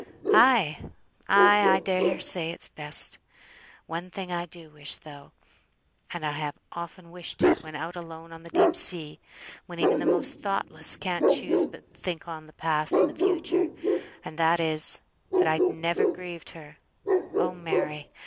"Ay! ay! I dare say it's best. One thing I do wish though, and I have often wished it when out alone on the deep sea, when even the most thoughtless can't choose but think on th' past and th' future; and that is, that I'd never grieved her. Oh Mary!